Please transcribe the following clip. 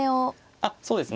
あっそうですね。